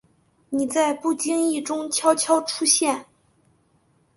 你在不经意中悄悄出现